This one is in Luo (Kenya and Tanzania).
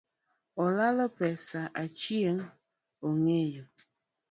Olalo pesa Achieng ongeyo